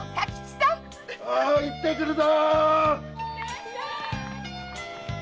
行って来るぞ！